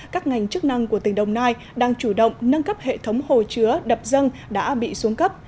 các ngành chức năng của tỉnh đồng nai đang chủ động nâng cấp hệ thống hồ chứa đập dân đã bị xuống cấp